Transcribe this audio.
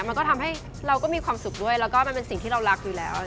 มันก็ทำให้เราก็มีความสุขด้วยแล้วก็มันเป็นสิ่งที่เรารักอยู่แล้ว